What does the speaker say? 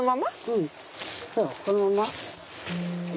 うんそうこのまま。